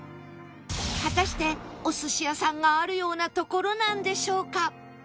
果たしてお寿司屋さんがあるような所なんでしょうか？